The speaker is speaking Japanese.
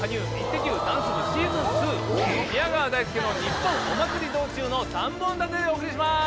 ダンス部シーズン２、宮川大輔のニッポンお祭り道中の３本立てでお送りします。